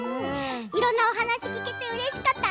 いろんなお話聞けてうれしかった。